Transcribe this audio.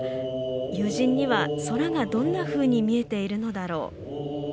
友人には空がどんなふうに見えているのだろう。